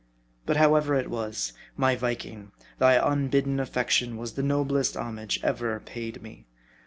But however it was, my Viking, thy unbidden affection was the noblest homage ever paid me.